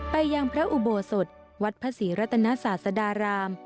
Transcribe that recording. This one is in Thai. ไปยังพระอุโบสถวัดพระศรีรัตนศาสดาราม